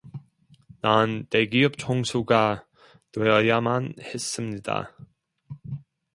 난 대기업 총수가 되어야만 했습니다